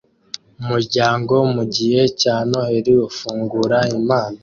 Umuryango mugihe cya Noheri ufungura impano